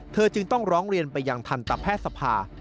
จึงต้องร้องเรียนไปยังทันตแพทย์สภา